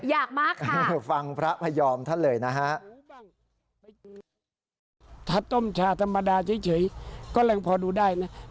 อยากมากค่ะ